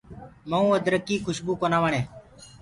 مئُونٚ ادرڪيٚ ڪيٚ کشبُو ڪونآ وڻي۔